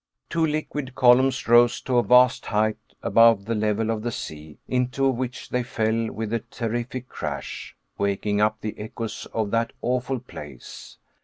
Two liquid columns rose to a vast height above the level of the sea, into which they fell with a terrific crash, waking up the echoes of that awful place.